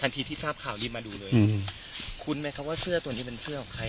ทีที่ทราบข่าวรีบมาดูเลยคุ้นไหมคะว่าเสื้อตัวนี้เป็นเสื้อของใคร